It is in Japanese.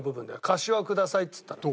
「かしわをください」っつったら。